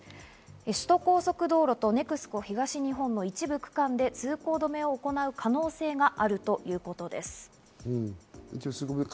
首都高速道路とＮＥＸＣＯ東日本の一部区間で、通行止めを行う可能性があるということです。